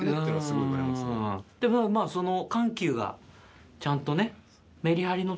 でもまあその緩急がちゃんとね？